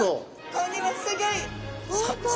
これはすギョい！